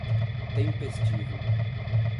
tempestivo